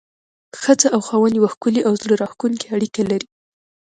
ښځه او خاوند يوه ښکلي او زړه راښکونکي اړيکه لري.